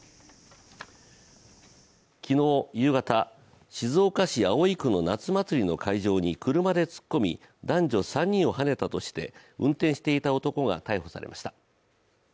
昨日、夕方、静岡市葵区の夏祭りの会場に車で突っ込み男女３人をはねたとして運転していた男が逮捕されました。